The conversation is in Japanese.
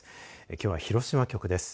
きょうは広島局です。